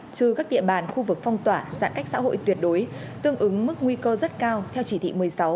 trừ các địa bàn khu vực phong tỏa giãn cách xã hội tuyệt đối tương ứng mức nguy cơ rất cao theo chỉ thị một mươi sáu